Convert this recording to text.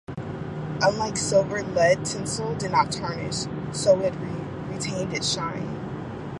Unlike silver, lead tinsel did not tarnish, so it retained its shine.